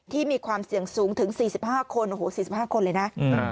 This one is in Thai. มีความเสี่ยงสูงถึง๔๕คนโอ้โห๔๕คนเลยนะ